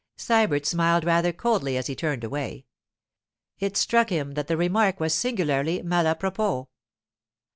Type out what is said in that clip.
Sybert smiled rather coldly as he turned away. It struck him that the remark was singularly malapropos.